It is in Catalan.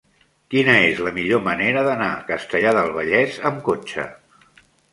Quina és la millor manera d'anar a Castellar del Vallès amb cotxe?